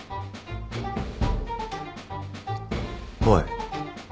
おい。